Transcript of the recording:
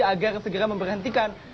agar segera memperhentikan